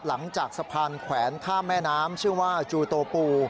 หลังจากสะพานแขวนข้ามแม่น้ำชื่อว่าจูโตปู